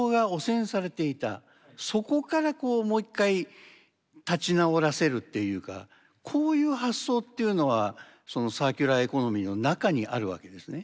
そこからもう１回立ち直らせるっていうかこういう発想というのはサーキュラーエコノミーの中にあるわけですね。